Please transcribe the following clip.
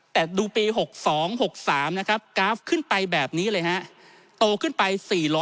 แต่ดูปี๖๒๖๓นะครับกราฟขึ้นไปแบบนี้เลยฮะโตขึ้นไป๔๐๐